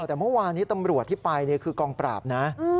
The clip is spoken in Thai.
แต่เมื่อวานนี้ตำรวจที่ไปคือกองปราบนะ